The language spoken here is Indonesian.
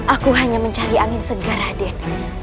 aku hanya mencari angin segar rahden